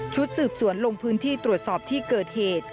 สืบสวนลงพื้นที่ตรวจสอบที่เกิดเหตุ